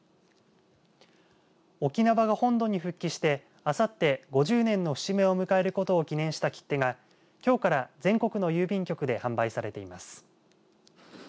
沖縄が本土に復帰してあさって５０年の節目を迎えることを記念した切手がきょうから全国の郵便局で販売されています。